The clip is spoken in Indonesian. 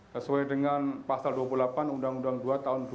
sesuai dengan pasal dua puluh delapan undang undang dua tahun dua ribu dua